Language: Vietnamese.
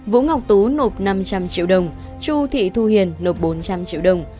vũ ngọc tú nộp năm trăm linh triệu đồng chu thị thu hiền nộp bốn trăm linh triệu đồng